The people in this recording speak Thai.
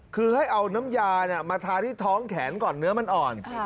คือให้เอาน้ำยามาทาที่ท้องแขนก่อนเนื้อมันอ่อน